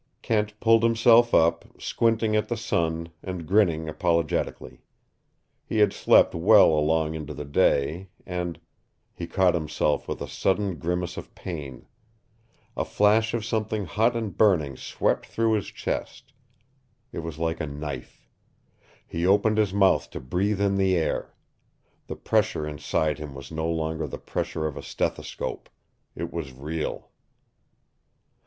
Kent pulled himself up, squinting at the sun and grinning apologetically. He had slept well along into the day, and He caught himself with a sudden grimace of pain. A flash of something hot and burning swept through his chest. It was like a knife. He opened his mouth to breathe in the air. The pressure inside him was no longer the pressure of a stethoscope. It was real.